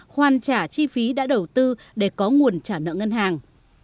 khoan trả chi phí đã đầu tư để có nguồn trả nợ ngân hàng